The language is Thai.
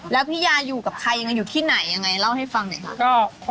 แล้วพี่ยาอยู่กับใครอยู่ที่ไหนอย่างไรเล่าให้ฟังหน่อยครับ